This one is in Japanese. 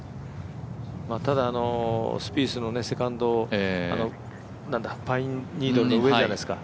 ただスピースのセカンド、パインニードルの上じゃないですか。